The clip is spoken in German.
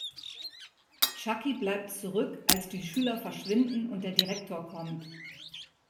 Chucky bleibt zurück, als die Schüler verschwinden und der Direktor kommt.